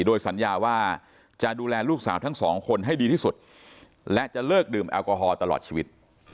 โดยสัญญาว่าจะดูแลลูกสาวทั้งสองคนให้ดีที่สุดและจะเลิกดื่มแอลกอฮอล์ตลอดชีวิต